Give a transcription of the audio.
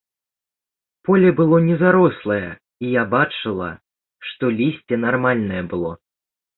Поле было не зарослае, і я бачыла, што лісце нармальнае было.